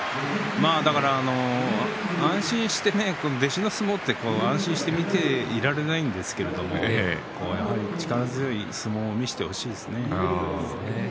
だから弟子の相撲は安心して見ていられないんですけれどやはり力強い相撲を見せてほしいですね。